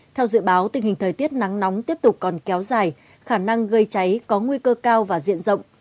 theo dự báo tình hình thời tiết nắng nóng tiếp tục còn kéo dài khả năng gây cháy có nguy cơ cao và diện rộng